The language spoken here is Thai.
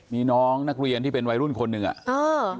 มีน้องนักเรียนที่เป็นวัยรุ่นคนหนึ่งอ่ะเออ